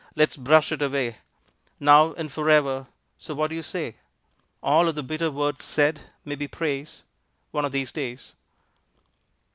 Let's brush it away Now and forever, so what do you say? All of the bitter words said may be praise One of these days.